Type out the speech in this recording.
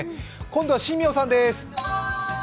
今度は新名さんです。